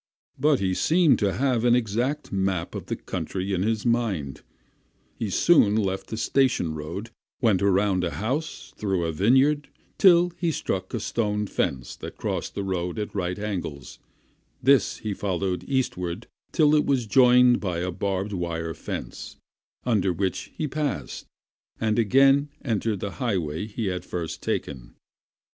But he seemed to have an exact map of the country in his mind; he soon left the station road, went around a house, through a vineyard, till he struck a stone fence that crossed his course at right angles; this he followed eastward till it was joined by a barbed wire fence, under which he passed and again entered the highway he had first taken.